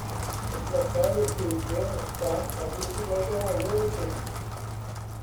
Y blodau, y llwybr, y staff a hyd yn oed yr awyr yn binc!